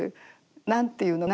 何て言うのかな